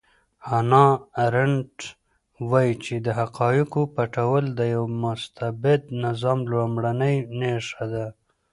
هانا ارنټ وایي چې د حقایقو پټول د یو مستبد نظام لومړنۍ نښه ده.